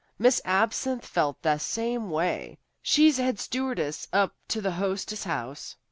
Miss Absinthe felt the same way. She's head stewardess up to the Hostess House."